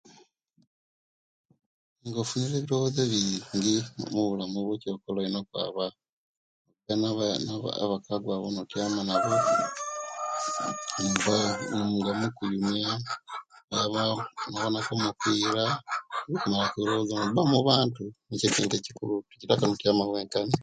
Nga bunile ebilowozoo ebingi ekyokola olina kwaba nabakwagwabo notyama nabo omukunyumya oba nobonaku omupila nobaaku nabantu nikyo ekintu ekikulu tekitaka notyama wenkani